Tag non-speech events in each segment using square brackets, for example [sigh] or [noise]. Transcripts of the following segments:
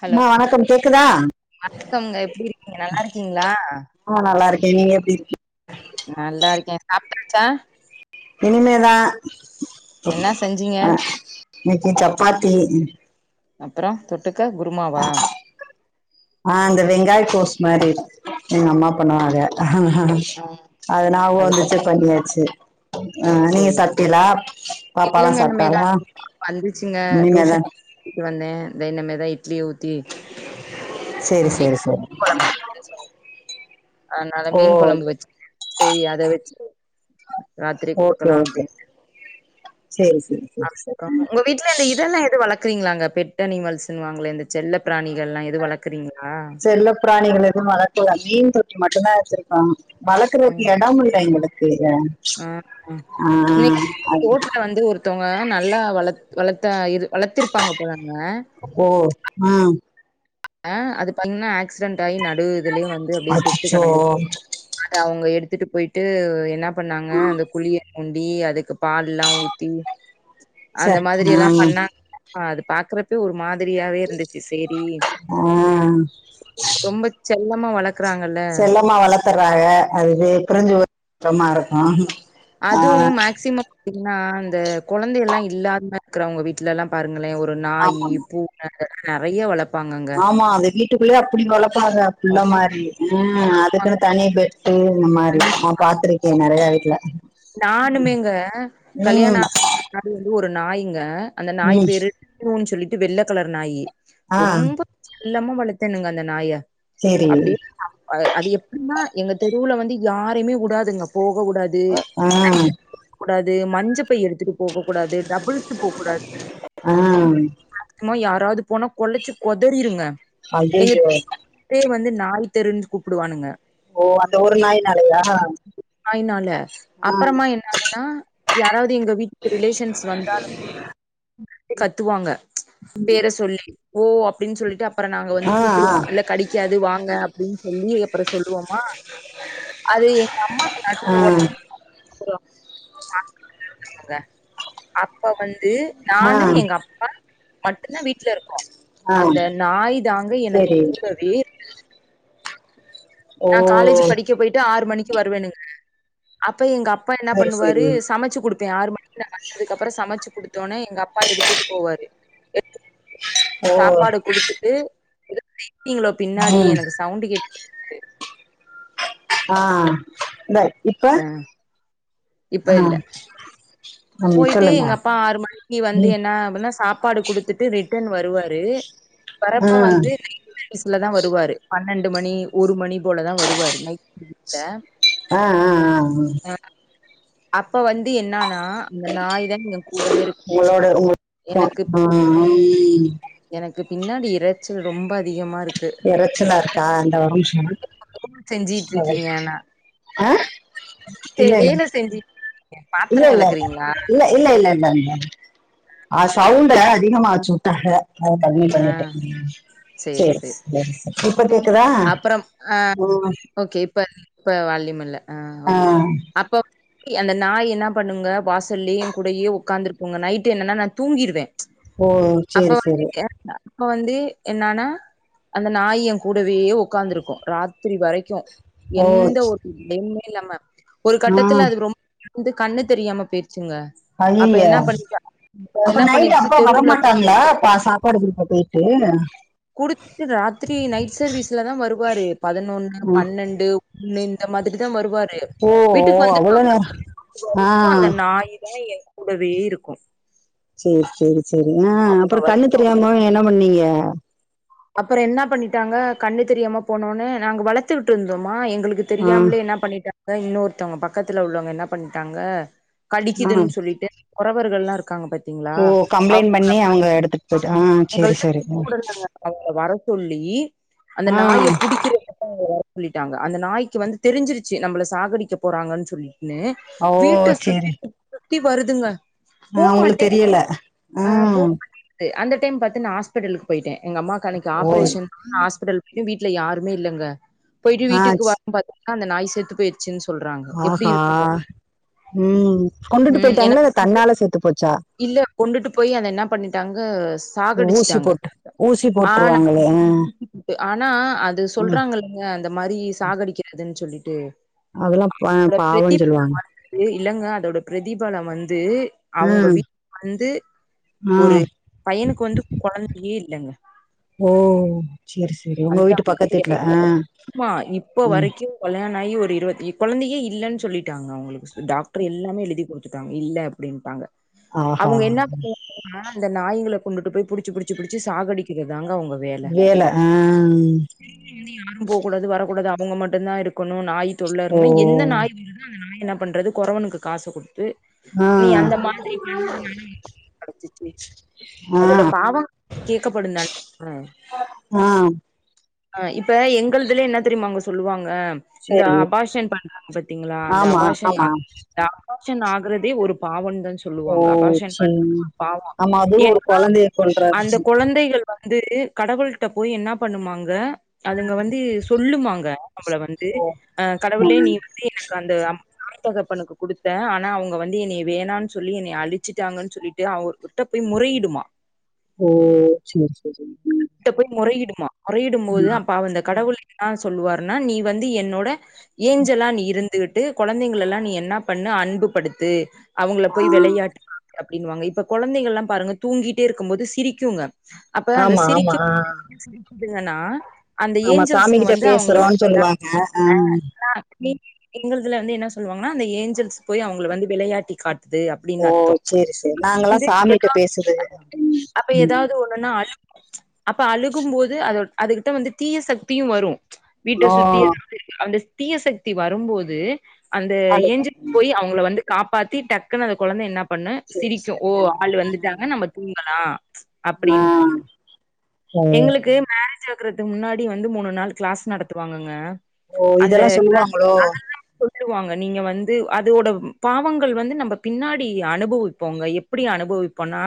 Hello அம்மா வணக்கம் கேக்குதா வணக்கோங்க எப்பிடி இருக்கீங்க நல்லா இருக்கீங்களா ஆ நல்லா இருக்கே நீங்க எப்பிடி இருக்கீ நல்லா இருக்கே சாப்டாச்சா இனிமேதா என்ன செஞ்சீங்க அ இன்னெக்கி சப்பாத்தி அப்பறொ தொட்டுக்க குருமாவா ஆ இந்த வெங்காய கோஸ் மாரி எங்க அம்மா பண்ணுவாங்க அதா ஆ அத நாபவோ அது பண் வந்துச்சு பண்ணியாச்சு ஆ நீங்க சேரி சாப்டீகளா பாப்பா எல்லா இல்லங்க இனிமேதா சாப்ட்டாளா இனிமேதே க்கு வந்தே வென்னுமேதா இட்லி ஊத்தி சரி வெ சரி சரி கொழம்பு அத்னால ஓ மீன் கொழம்பு வெச்சு செரி அத வெச்சு ராத்திரி ஓகே குடுக்கலா ஓகே அப்பிடின் சரி சரி சரி அப்றோ சரி உங்க வீட்ல இந்த இதெல்லா எது வளக் க்குரீங்களாங்க பெட் அனிமல்ஸ் ன்னு வாங்களே இந்த செல்ல பிராணிகள் லா செல்ல பிராணிகள் எதும் வள மீன் தொட்டி மட்டுந்தா வெச்சிருக்கோ வளக்குறதுக்கு எடொம் இல்ல எங்களுக்கு எ அ அ ஆ கோட்னு வந்து ஒருத்தவ்ங்க நல்லா வள வளத்த அ இது வளத்திருப்பாங்க போலங்க ஓ ஆ அ அது பண்ணா ஆக்சிடெட் ஆயி நடுவு இதுலயே வந்து அப்டியே செத்து அச்சச்சோ கெடந்துச்சு அது அவ்ங்க எடுத்துட்டு போய்ட்டு என்ன பண்ணாங்க அந்த குழி உண்டி அதுக்கு பால் எல்லா ஊத்தி ச அந்த மாதிரி ஆ எல்லா பண்ணாங் ஆ அது பாக்குறப்பயெ ஒரு மாதிரியாவே இருந்துச்சு சேரி ஆ ரொம்ப செல்லமா வள செல்லமா வளர்த்தர்றாங்க அதுவே பிரிஞ்சு போக கஷ்டமா இருக்கும் அதுவு மேக்சிமம் பாத்தீங்கன்னா இந்த குழந்தை எல்லா இல்லாம இருக்குறவங்க இந்த வீட் வீட்ல எல்லா பாருங்களே ஒரு நாய் ஆமாமா பூனைெல்லா நெறைய வளர்பாங்க ஆமா அந்த வீட்டுக்குள்ளயே அப்டி வளப்பாங்க இந்த ஆனா, மாரி ம் அதுக்குன்னு தனி பெட் [unintelligible] இந்த மாரி நா பாத்திருக்க நெறைய வீட் ல ம் அது வந்து ஒரு நாய்ங்க அந்த நாய் ம் பேரு [unintelligible] ன்னு சொல்லிட்டு வெள்ள கலர் நாய் ஆ ரொம்ப செல்லாம வளர்த்தணங்க அந்த நாய சேரி அப்டியே அது எப்டின்னா எங்க தெருவுல வந்து யாருமே உடாதுங்க போக உடாது ஆ அது [unintelligible] கூடாது மஞ்சப்பை எடுத்துட்டு போக கூடாது டபுள்சுக்கு போகக்கூடா ஆ [unintelligible] அம்மா யாராவது போனா கொள்ளச்சி கொதறிருங்க ஐயயோ பேர் வந்து நாய் தெருன் கூப்புடுவானுங்க ஓ அந்த ஒரு நாய்னாலயா நாய்னால அப்பறமா என்னாதுன்னா யாராவது எங்க வீட்டுக்கு ரிலேஷன்ஸ் வந்தாலுமே கத்துவாங்க பேர சொல்லி ஓ அப்டின் சொல்லிட்டு அப்பற நாங்க வந்து ஆ ஆ கூப்புடுவோ இல்ல கடிக் கடிக்காது வாங்க அப்டின் சொல்லி அப்பற சொல்லுவோமா அது எங்க அம்மாட்ட ஆ நடுவுல ஒன் அப்பறோ [unintelligible] அப்ப வந்து ஆ நானு எங்க அப்பா மட்டுதா வீட்ல இருக்கோ ஆ ஆ அந்த நாய் தாங்க எனக்கு செரி கூடவே ஓ நா காலேஜ் படிக்க போயிட்டு ஆறு மணிக்கு வருவேணுங்க அப்ப எங்க அப் அப்பா என்ன செரி பண்ணுவாரு செரி சமச்சு குடுப்ப ஆறு மணிக் வந்ததுக்கு அப்பறோ சமச்சு குடுத்தோனே எங்க அப்பா எடுத்துட்டு போவாரு ஓ சாப்பாடு குடுத்துட்டு ஏதோ மீட்டிங்களோ பின்னாடி ம் எனக்கு சவுண்டு கேட்டுட்டு ஆ இந்த இப்ப அ ஆ இப்பல்ல ம் போயிட்டு சொல்லுங்க எங்க அப்பா ஆறு மணிக்கி நீ வந்து ம் என்ன அப்பன்னா சாப்பாடு குடுத் த்துட்டு ரிட்டன் வருவாரு ஆ வரப்ப வந்து [unintelligible] தா வருவாரு பன்னெண்டு மணி ஒரு மணி போலதா வருவாரு நைட்ல ஆ ஆ ஆ ஆ அப்ப வந்து என்னன்னா அந்த நாய் தா எய கூடவே இருக் [unintelligible] எனக்கு பின்னாடி இரச்சல் ரொம்ப அதிகமா இருக் இரச்சலா இருக்கா அந்த ஒரு நிமிஷோ வேல செஞ்சிட்டு ஆ அ இல்ல வேல செஞ்சிட்டு இருக்கீங்க பாத்தர இல்ல இல்ல இல்ல வளக்கிறீங்களா இல்ல இல்ல இல்ல இல்ல அ சவுண்ட அதிகமா வச்சி உட்டாங்க அத கம்மி ஆ பண்ணிட்ட சேரி செரி சேரி செரி செரி இப்ப கேகுத்தா அப்புறம் ஆ ம் ஓகே இப்ப இப்ப வாலிமில்ல அ ஆ ஓகே அப்போ அந்த நாய் என்ன பண்ணுங்க வாசல்லயே எய கூடயே உக்காந்துருக்குங்க நைட் என்னன்னா நா தூங்கிருவ ஓ சேரி அப்ப சேரி அப்ப வந்து என்னனா நாய் எங் கூடவே உக்காந்துருக்கும் ராத்திரி வரைக்கு ஓ எந்த ஒரு [unintelligible] இல்லாம ஒரு ஆ கட்டத்துல அது ரொம்ப வந்து கண்ணு தெரியாம போயிச்சிங்க அய்யய்ய அப்ப நைட்டு பண்ணிருச்சு, அப்பா தெருவுல வரமாட்டாங்களா பா படத்துக்கு போயிட்டு குடுத்துட்டு ராத்திரி நைட் சர்வீஸ்ல தா வருவாரு பதினொன்னு ம் பன்னெண்டு ன்னு இந்த மாதிரி தான் வருவாரு ஓ ஓ அவ்ளோ நேர ஆ வரைக்கும் அந்த நாயி தா என் கூடவே இருக்கும் சேரி சேரி சேரி ஆ அப்ப அப்பறம் வரை கண்ணு தெரியாம என்ன பண்ணீங்க அப்பறம் என்ன பண்ணிட்டாங்க கண்ணு தெரியாம போனோன்ன நாங்க வளத்துக்கிட்டு இருந்தோமா எங்களுக்கு ஆ தெரியாமலே என்ன பண்ணிட்டாங்க இன்னொருத்தவங்க பக்கத்துல உள்ளவங்க என்ன பண்ணிட்டாங்க ஆ கடிக்குதுன்னு சொல்லிட்டு குறவர்கள்லாம் இருக்காங்க ஓ பத் கம்ப்ளைண்ட் பண்ணி அவங்க எடுத்துட்டு போயிட்டு ஆ சேரி சேரி [unintelligible] அவங்கள வர சொல்லி அந்த ஆ நாய புடிக்கிற வர சொல்லிட்டாங்க அந்த நாய்க்கு வந்து தெரிஞ்சிருச்சு நம்மள சாகடிக்க போறாங்கன்னு சொல்லிட்டுன்னு ஓ வீட்ட சுத்தி சேரி சுத்தி சுத்தி வருதுங்க ஆ உங்களுக்கு போமாட்டே தெரியல ஆ அந்த டைம் பாத்து நா ஹாஸ்பிட்டலுக்கு போயிட்டேன் எங்க அம்மாக்கு அன்னைக்கு ஓ ஆப்ரேஷன் நா ஹாஸ்பிட்டல் போய்ட்டு வீட்டுல யாருமே இல்லங்க போயிட்டு ஆ வீட்டுக்கு வர பாத்தீங்கன்னா அந்தநாய் செத்து பேயி சினு சொல்றாங்க எப்டி இருக்கு உம் கொண்டுட்டு ம் போயிட்டாங்களா எனக்கு இல்ல வந்து தன்னால செத்து போச்சா இல்ல கொண்டுட்டு போய் அத என்ன பண்ணிட்டாங்க ஊசி சாகடிச்சுட்டாங்க போட்டு ஊசி ஆனா போட்டுருவாங்களே ஆ ஆனா [unintelligible] அது ஆ சொல்றாங்க இந்த மாறி சாகடிக்குறதுன்னு சொல்லிட்டு அதெல்லாம் அதோட பாவன்னு பிரதிப சொல்லுவாங்க இல்லங்க அதோட பிரதிபலன் வந்து அவங்க ஆ வீட்டு வந்து ஆ ஒரு பையனுக்கு வந்து குழந்தையே இல்லைங்க ஓ சேரி சேரி உங்க அந்த வீட்டு மாதிரி பக்கத்துவீட்ல ஆ ஆமா இப்போ ம் வரைக்கும் கல்யாணம் ஆகி ஒரு இருபத்தி குழந்தையே இல்லன்னு சொல்லிட்டாங்க அவங்களுக்கு டாக்டர் எல்லாமே எழுதி குடுத்துட்டாங்க இல்ல அப்டின்ட்டாங்க ஆஹா அவங்க என்ன பண்ண ஆ அந்த நாய்களை கொண்டுட்டு போய் புடிச்சு புடிச்சு புடிச்சு சாகடிக்கிறதுதாங்க அவங்க வேல ஆ ஆ வந்து யாரும் போக கூடாது வரக்கூடாது அவங்க மட்டும் தான் இருக்கணும் நாய் தொல்ல ஓ இருன்ன எந்த நாயி அந்த நாய் என்ன பண்றது கொறவனுக்கு காச கொடுத்து ஆ நீ அந்த மாதிரி பண்ணதுனால உனக்கு கிடச்சுச்சு ஆ அதோட பாவம் கேட்கப்படும் தான ஆ ஆ‌ இப்ப எங்கதுலயே என்ன தெரியுமாங்க சொல்லுவாங்க இந்த செரி அபார்ஷன் பண்றாங்க பாத்தீங்களா இந்த ஆமா அபாஷன் ஆமா இந்தா அபார்சன் ஆகுறதே ஒரு பாவன்னுதான் சொல் ஓ சொல்லுவாங்க அபார்ஷன் செரி பண்றதே பாவம் ஆமா அதுவு ஒரு ஏன்னா கொழந்தைய அந்த கொல்றது குழந்தைகள் அந்த குழந்தைங்க வந்து கடவுள்ட்ட போய் என்ன பண்ணுவாங்க அதுங்க வந்து சொல்லுமாங்க நம்மள வந்து ஓ அ ஆ கடவுளே நீ வந்து எனக்கு அந்த அம் தாய் தகப்பனுக்கு குடுத்த ஆனா அவங்க வந்து என்னைய வேணான்னு சொல்லி என்னைய அழிச்சுட்டாங்கன்னு சொல்லிட்டு ய அவர் கிட்ட போய் முறையிடுமா ஓ சேர் சேரி ம் கிட்ட போய் முறையிடுமா முறையிடும் போது அப்ப அந்த கடவுள் என்னா சொல்வாருன்னா நீ வந்து என்னோட ஏஞ்சலா நீ இருந்துகிட்டு கொழந்தைங்களல்லா நீ என்ன பண்ணு அன்புபடுத்து அவங்கள ஆ போய் வெளயாட்டு காட்டு அப்டின்னுவாங்க இப்ப கொழந்தைங்கள்ல்லா பாருங்க தூங்கிட்டே இருக்கும்போது சிரிக்குங்க அப்ப அந்த ஆமா ஆமா சிரிக்க ஆ [inaudible] சிரிக்குதுங்கன்னா அந்த ஆமா சாமி ஏஞ்சல்ஸூங்க கிட்ட வந்து அவங்கள வந்து பேசுறோன்னு [inaudible] சொல்லுவாங்க ஆ எங்கள்துல வந்து என்ன சொல்வாங்கன்னா அந்த ஏஞ்சல்ஸ் போய் அவங்கள வந்து வெளையாட்டி காட்டுது அப் அப்டின்னு ஓ அர்த்தோ [inaudible] சேரி சேரி நாங்கல்லா சாமிட்ட பேசுது அப்டின்னு அப்ப ம் ஏதாவது ஒன்னுன்னா அத அப்ப அழுகும்போது அதோ அதுகிட்ட வந்து தீய சக்தியு வரு வீட்ட ஓ சுத்தி அந்த தீய சக்தி வரும்போது அந்த அழுக ஏஞ்சல் ம் போய் அவுங்கள வந்து காப்பாத்தி டக்குன்னு அந்த கொழந்த என்ன பண்ணு சேரி சிரிக்கு சேரி ஓ ஆள் ஆ வந்துட்டாங்க நம்ம தூங்கலா ஆ ஆ. அப்டின் னு ஓ எங்களுக்கு மேரேஜ் ஆகுறது முன்னாடி வந்து மூணு நாள் கிளாஸ் நடத்துவாங்கங்க ஓ அந்த இதெல்லா க்ளாஸ் சொல்லுவாங்களோ அதுலதா சொல்லுவாங்க நீங்க வந்து அதோட ம் பாவங்கள் வந்து நம்ப பின்னாடி அனுபவிப்போங்க எப் எப்படி அனுபவிப்போனா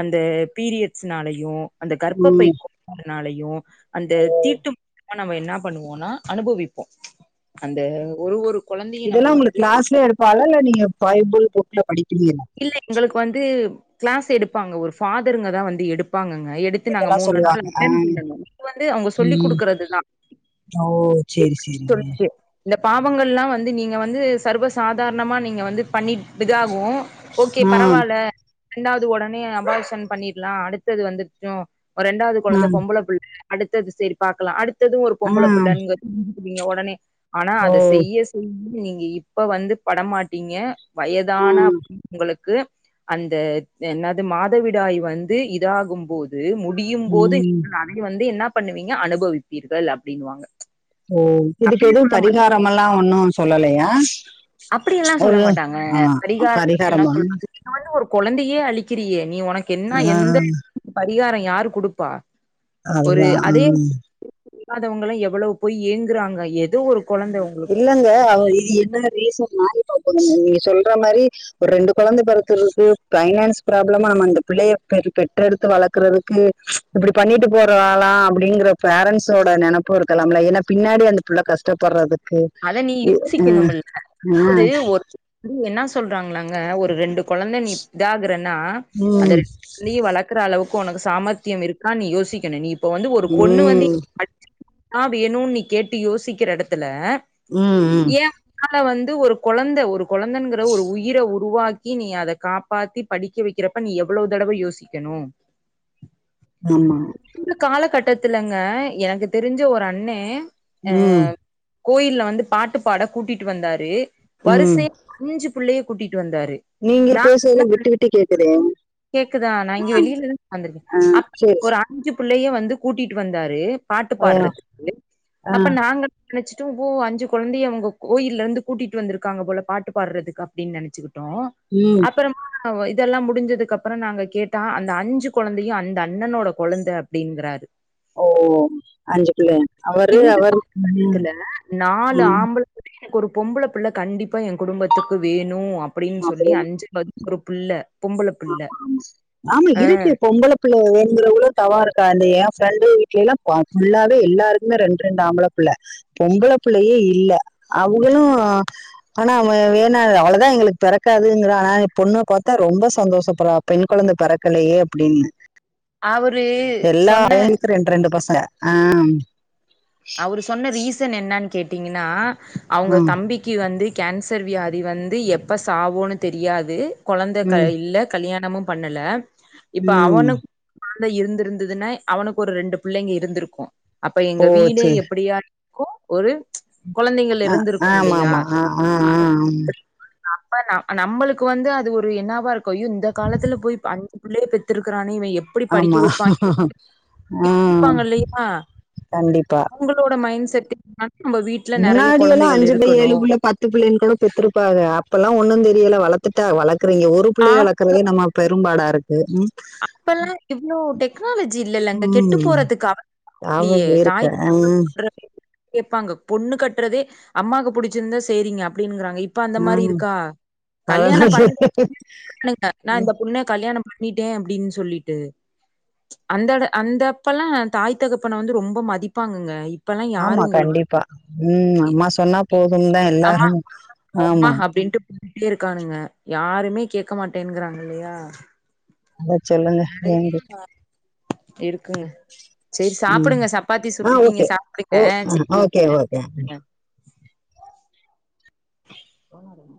அந்த பீரியட்ஸ்னாலையு அந்த இப்ப ம் போய்க்குங்குறனாலயு அந்த ஓ தீட்டும் நம்ம என்ன பண்ணுவோன்னா அனுபவிப்போ அந்த ஒரு ஒரு கொழந்தையு நம்ப வந்து வழலை நீங்க பைபுள் புக்ல படிக்கலயா இல்ல எங்களுக்கு வந்து கிளாஸ் எடுப்பாங்க ஒரு ஃபாதருங்க தா வந்து எடுப் பாங்கங்க எடுத்து நாங்க இதெல்லா மூணு நாள் சொல்லுவாங்க ஆ ரிட்டன் பண்ணனு இது வந்து அவுங்க சொல்லி ம் குடுக்குறது தா ஓ செரி செரிங்க இந்த பாவங்கள்ல்லா வந்து நீங்க வந்து சர்வசாதாரணமா நீங்க வந்து பண்ணிட் இதாகு ஓகே ஆ பரவால்ல ரெண்டாவது உடனே அபார்ஷன் பண்ணிட்லா அடுத்தது வந்துர்ட்டு ஒரு ரெண்டாவது ஆ கொழந்தை பொம்பள புள்ள அடுத்தது செரி பாக்கலா அடுத்தது ஒரு ஆ பொம்பள புள்ளங்க [inaudible] நீங்க உடனே ஆனா ஓ அத செய்ய [inaudible] நீங்க இப்ப வந்து படமாட்டீங்க ஆ வயதான களுக்கு அந்த என்னது மாதவிடாய் வந்து இதாகும்போது முட் முடியும் போது ம் நீங்கள் அதை வந்து என்ன பண்ணுவீங்க அனுபவிப்பீர்கள் அப்டின்னுவாங்க ஓ இதுக்கு அப்பயே எது சொல்ல பரிகாரம் எல்லா ஒன்னு சொல்லலையா அப்டி எல்லா சொல்ல ஒரு மாட்டாங்க ஆ பரிகாரம் [inaudible] என்ன பரிகாரமா? சொல்றது நீங்க வந்து ஒரு கொழந்தையே அழிக்கிறீயே நீ உனக்கு என்னா ஆ எந்த பரிகாரோ யாரு குடுப்பா ஒரு அதுதா அதே ம் இல்லாதவங்கள்லா எவ்ளவு போய் ஏங்குறாங்க எது இல்லங்க அவுங்க இ என்ன ரீசன்னா [inaudible] நீங்க சொல்ற மாரி ஒர் ரெண்டு கொழந்த பிறக்குறக்கு பைனான்ஸ் ப்ராப்ளமா நம்ம அந்த பிள்ளைய பெற் பெத்தெடுத்து வளக்குறதுக்கு இப்டி பண்ணிட்டு போறாளா அப்டிங்கிற பேரன்ட்ஸோட நெனப்பு இருக்கலாம்ல ஏனா பின்னாடி அந்த புள்ள கஷ் டப்படுறதுக்கு அத நீ எ ம் அ அது என்ன சொல்றாங்ளாங்க ஒரு ரெண்டு கொழந்த நீ இதாகுறன்னா அந்த ம் ரெட் நீ வளக்குற அளவுக்கு உனக்கு சாமர்த்தியம் இருக்கான் நீ யோசிக்கணு நீ இப்போ வந்து ஒரு பொண்ணு வந்து ம் [inaudible] தா வேணு நீ கேட்டு யோசிக்கிற எடத்துல ம் ம் அதனால வந்து ஒரு கொழந்த ஒரு கொழந்தைங்கிற ஒரு உயிர உருவாக்கி நீ அத காப் பாத்தி படிக்க வைக்கிறப்ப நீ எவ்ளோ தடவ யோசிக்கணு ஆமா இந்த காலகட்டத்துலங்க எனக்கு தெரிஞ்சு ஒரு அண்ணே அ ம் கோயில்ல வந்து பாட்டு பாட கூட்டிட்டு வந்தாரு ம் வரிசையா அஞ்சு பிள்ளைய கூட்டிட்டு வந்தாரு நீங்க நா பேசறது என்ன விட்டு விட்டு கேக்குதே கேக்குதா நா இங்க ஆ, வெளிலதா உக்கார்ந்திருக்கே ஆ, சரி அப்ப [inaudible] அஞ்சு பிள்ளைய வந்து கூட்டிட்டு வந்தாரு பாட்டு ஆ, பாடுறதுக்கு ஆ, அப்ப நாங்க நெனைச்சோ ஓ அஞ்சு கொழந்தைய அவுங்க கோயில்லருந்து கூட்டிட்டு வந்திருக்காங்க போல பாட்டு பாடுறதுக்கு அப்டின்னு நெனைச்சுகிட்டோ ம் அப்புறமா இதெல்லா முடிஞ்சதுக்கப்புறோ நாங்க கேட்டா அந்த அஞ்சு கொழந்தையு அந்த அண்ணனோட கொழந்த அப்டிங்றாரு ஓ அஞ்சு புள்ளைங்க அவரு அவர் ம், ல நாலு ம், ஆம்பள பிள்ள எனக்கொரு பொம்பள பிள்ள என் குடும்பத்துக்கு வேணு அப்டின்னு சொல்லி அப்படின்னு அஞ்சு [inaudible] த்துக்கு ஒரு புள்ள பொம்ம்பள பிள்ள ஆ ள்ள வேனுங்கிறவங்ளு தவோ இருக்கா அந்த என் ஃப்ரெண்டு வீட்லல்லா ஃபுல்லாவே எல்லாருக்குமே ரெண்டு ரெண்டு ஆம்பள பிள்ள பொம்பள பிள்ளயே இல்ல அவங்களு ஆனா வேணா அவ்ளோதா எங்களுக்கு பெறக்காதுங்கற ஆனா பொண்ணு பாத்தா ரொம் சந்தோஷப்பறா பெண் கொழந்த பிறக்கலையே அப்டின்னு அவரூ சொன்ன பையனுக்கும் ரெண்டு ரெண்டு பசங்க ஆ அவரு சொன்ன ரீசன் என்னன்னு கேட்டீங்கன்னா அவுங்க ம், தம்பி க்கி வந்து கேன்சர் வியாதி வந்து எப்போ சாவோன்னு தெரியாது கொழந்த ம், இல்ல கல்யாணமு பண்ணல இப்ப ம் அவனு ஆன இருந்திருந்துன்னா அவனுக்கொரு ரெண்டு பிள்ளைங்க இருந்திருக்கு அப்ப ஓ எங்க வீடே சேரி எப்ப டியாக்கு ஒரு கொழந்தைங்க ஆ இருந்திருக்கு ஆமா இல்லயா ஆமா ஆ ஆ ஆ ம் நம்ம நம்மளுக்கு வந்து அது ஒரு என்னாவாருக்கு யோ இந்த காலத்துல போய் பன் புள்ளய பெத்திருக்கானே இவே ஆமா ஆ யோசிப்பாங்க கண்டிப்பா உங்களோட மைண்ட் செட்டு [inaudible] முன்னாடி எல்லா அஞ்சு புள்ள ஏழு புள்ள பிள்ளைல் கூட பெத்துருப்பாக அப்பெல்லா ஒன்னு தெரியல வளர்த்துட்டா வளக்றீங்க ஒரு பிள்ளய ஆம் குறதே நம்ம பெரும்பாடாருக் [unintelligible] அப்பல்லா இவ்ளோ டெக்னாலஜி இல்லல்லங்க கெட்டு ம் போறதுக்காக ஞாபக இல்லையே இருக்கு தாய் [inaudible] ஆ கேப்பாங்க பொண்ணு கட்றதே அம்மாவுக்கு புடிச்சிருந்தா சேரிங்க அப்டினுங்கிறானுங்க இப் ப அந்த ஆ மாரிருக்கா கல்யாணோ அதெல்லா பண்ணு [inaudible] நா ம் இந்த பொண்ண கல்யாணம் பண்ணி கே அப்டின் சொல்லிட்டு அந்தட அந்தப்பல்லா தாய்த் தகப்பன வந்து ரொம்ப மதிப்பாங்கங்க இப்பெல்லா யாரு ஆமா உங்களுக்கு கண்டிப்பா ம் அம்மா சொன்னா போதும் தா [inaudible] எல்லாரு ஆமா ஆமா [inaudible] அப்டின்டு டி இருக்கானுங்க யாருமே கேட்க மாட்டேங்குறாங்க இல்லயா அதா சொல்லுங்க ஏங்க இருக்குங்க சேரி ம் சாப்டுங்க சப்பாத்தி ஆ சுட்டுட்டீங்க ஓகே சாப்டுங்க ஓ ஆ சேரி ஓகே ஓகே போனருங்க